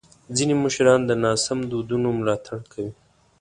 ځینې مشران د ناسم دودونو ملاتړ کوي.